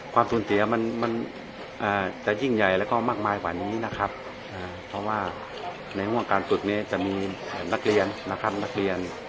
ความสูญเสียมันจะยิ่งใหญ่แล้วก็มากมายกว่านี้นะครับเพราะว่าในห่วงการฝึกนี้จะมีนักเรียนนะครับนักเรียน